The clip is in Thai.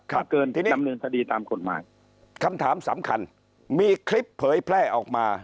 ถ้าเกินที่ดำเนินคดีตามกฎหมายคำถามสำคัญมีคลิปเผยแพร่ออกมา